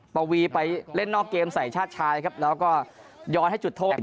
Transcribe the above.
ปวีไปเล่นนอกเกมใส่ชาติชายครับแล้วก็ย้อนให้จุดโทษ